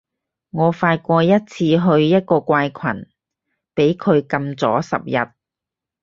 我發過一次去一個怪群，畀佢禁咗十日